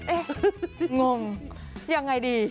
เอ๊ะงงยังไงดี